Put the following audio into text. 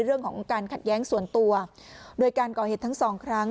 เรื่องของการขัดแย้งส่วนตัวโดยการก่อเหตุทั้งสองครั้ง